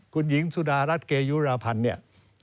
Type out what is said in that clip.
คุณหญิงสุดารัฐเกยุราพันธ์เนี่ย